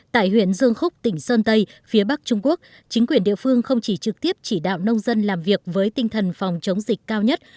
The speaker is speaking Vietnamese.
tại huyện dương khúc tỉnh sơn tây phía bắc trung quốc chính quyền địa phương không chỉ trực tiếp chỉ đạo nông dân làm việc với tinh thần phòng chống dịch cao nhất